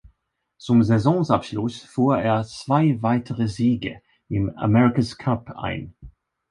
Zum Saisonabschluss fuhr er zwei weitere Siege im America’s Cup ein.